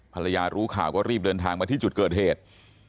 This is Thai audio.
ภรรยารู้ข่าวก็รีบเดินทางมาที่จุดเกิดเหตุ